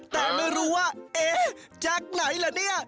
แต่ไม่รู้ว่าเอ๊จากไหนล่ะเนี่ย